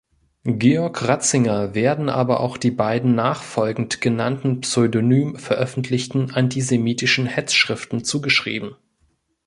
Georg Ratzinger werden aber auch die beiden nachfolgend genannten pseudonym veröffentlichten antisemitischen Hetzschriften zugeschrieben.